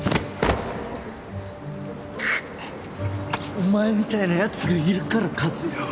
お前みたいなやつがいるから和也は